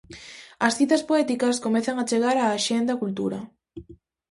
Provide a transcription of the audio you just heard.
As citas poéticas comezan a chegar á axenda cultura.